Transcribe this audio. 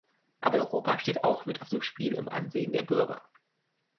Aber Europa steht auch mit auf dem Spiel im Ansehen der Bürger.